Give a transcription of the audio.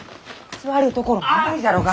座るところもないじゃろうが！